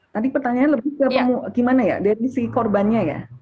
tadi pertanyaannya lebih ke gimana ya dari si korbannya ya